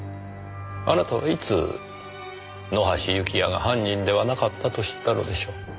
あなたはいつ野橋幸也が犯人ではなかったと知ったのでしょう。